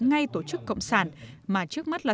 ngay tổ chức cộng sản mà trước mắt là